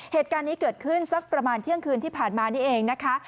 เหตุการณ์นี้เกิดขึ้นสักประมาณเที่ยงคืนที่ผ่านมานี่เองนะคะ